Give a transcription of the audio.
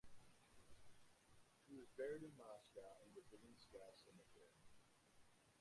He was buried in Moscow in the Vvedensky cemetery.